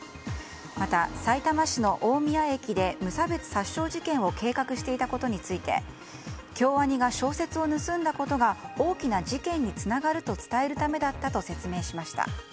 また、さいたま市の大宮駅で無差別殺傷事件を計画していたことについて京アニが小説を盗んだことが大きな事件につながると伝えるためだったと説明しました。